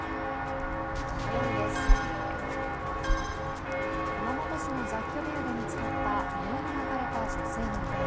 ４位です、熊本市の雑居ビルで見つかった布に巻かれた女性の遺体。